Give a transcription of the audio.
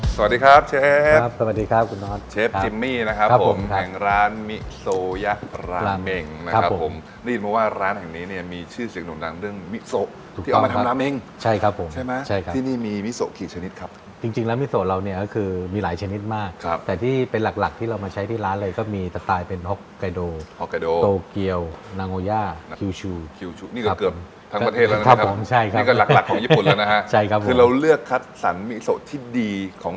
สวัสดีครับเชฟสวัสดีครับคุณนอทเชฟจิมมี่นะครับผมแห่งร้านมิโซย่าราเม้งนะครับผมได้ยินไหมว่าร้านแห่งนี้เนี่ยมีชื่อเสียงหน่อยเรื่องมิโซที่เอามาทำราเม้งใช่ครับใช่ไหมที่นี่มีมิโซกี่ชนิดครับจริงแล้วมิโซเราเนี่ยก็คือมีหลายชนิดมากครับแต่ที่เป็นหลักที่เรามาใช้ที่ร้านเลยก็มีสไตล์เป็น